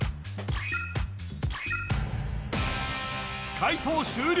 解答終了